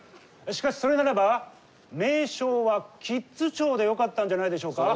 しかしそれならば名称は「キッズ庁」でよかったんじゃないでしょうか？